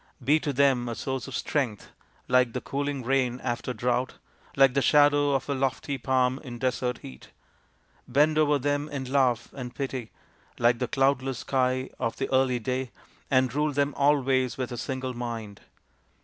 Be to them a source of strength, like the cooling rain after drought, like the shadow of a lofty palm in desert heat. Bend over them in love and pity like the cloudless sky of the early day, and rule them always with a single mind."